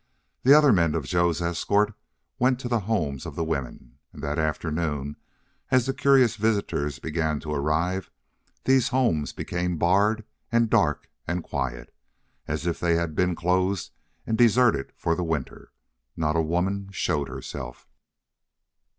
The other men of Joe's escort went to the homes of the women; and that afternoon, as the curious visitors began to arrive, these homes became barred and dark and quiet, as if they had been closed and deserted for the winter. Not a woman showed herself.